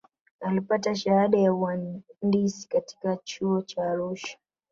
alipata shahada ya uandisi katika chuo cha arusha